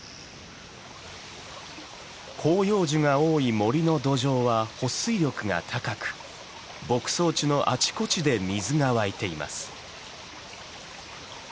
広葉樹が多い森の土壌は保水力が高く牧草地のあちこちで水が湧いています。